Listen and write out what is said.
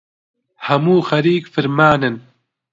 هەموو خەریک فرمانن